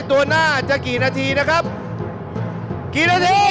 ๕๐กว่าแล้วเร็ว